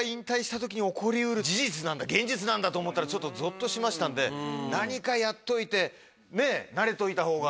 なんだと思ったらちょっとゾッとしましたんで何かやっといて慣れといたほうが。